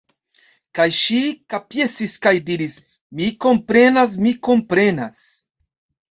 Kaj ŝi kapjesis kaj diris: Mi komprenas mi komprenas.